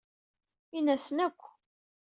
Ini-asen akk.